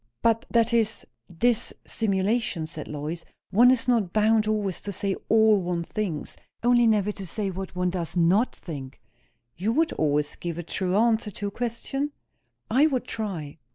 "But that is _dis_simulation," said Lois. "One is not bound always to say all one thinks; only never to say what one does not think." "You would always give a true answer to a question?" "I would try."